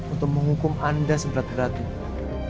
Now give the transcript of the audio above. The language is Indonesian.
untuk menghukum anda seberat beratnya